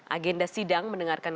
agenda sidang mendengarkan